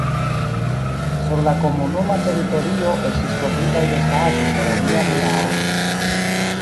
Sur la komunuma teritorio estis trovitaj restaĵoj de romia vilao.